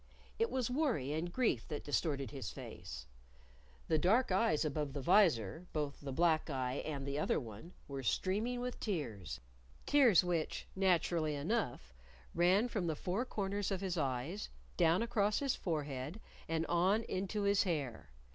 It was worry and grief that distorted his face. The dark eyes above the visor (both the black eye and the other one) were streaming with tears, tears which, naturally enough, ran from the four corners of his eyes, down across his forehead, and on into his hair.